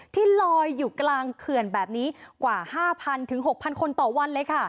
ที่ลอยอยู่กลางเขื่อนแบบนี้กว่า๕๐๐ถึง๖๐๐คนต่อวันเลยค่ะ